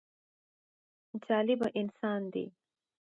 جالبه انسان دی.